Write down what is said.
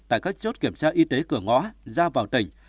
tại các chốt kiểm tra y tế cửa ngõ ra vào tỉnh